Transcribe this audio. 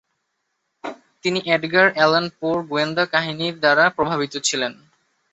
তিনি Edgar Allan পো'র গোয়েন্দা কাহিনীর দ্বারা প্রভাবিত ছিলেন।